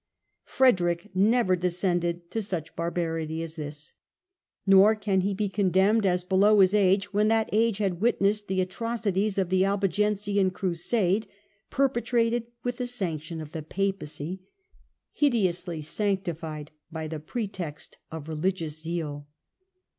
Frederick never descended to such barbarity as this. Nor can he be condemned as below his age when that age had witnessed the atrocities of the Albigensian Crusade, perpetrated with the sanction of the Papacy, hideously sanctified by the pretext of re ligious zeal.